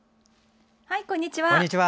こんにちは。